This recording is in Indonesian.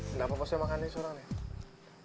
kenapa kamu harus makan sendiri